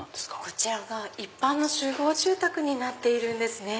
こちらが一般の集合住宅になっているんですね。